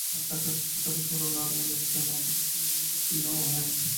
আর ঢাকা শহরের অন্যান্য এলাকার মার্কেটের সমপরিমাণ বিদ্যুৎ বিল নেওয়া হয়।